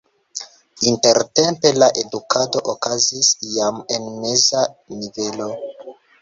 Intertempe la edukado okazis jam en meza nivelo.